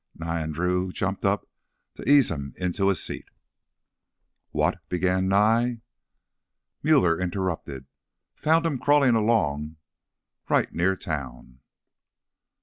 Nye and Drew jumped up to ease him into a seat. "What's—?" began Nye. Muller interrupted. "Found him crawlin' along right near town.